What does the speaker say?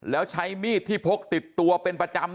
แล้วใช้มีดที่พกติดตัวเป็นประจำ